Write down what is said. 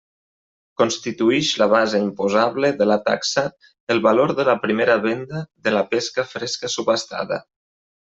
Constituïx la base imposable de la taxa el valor de la primera venda de la pesca fresca subhastada.